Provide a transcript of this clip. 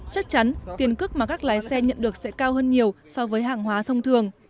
chắc chắn tiền cước mà các lái xe nhận được sẽ cao hơn nhiều so với hàng hóa thông thường